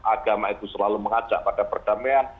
agama itu selalu mengajak pada perdamaian